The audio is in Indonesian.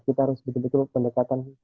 kita harus betul betul pendekatan